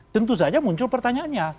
tentu saja muncul pertanyaannya